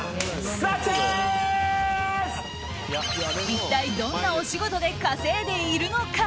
一体どんなお仕事で稼いでいるのか？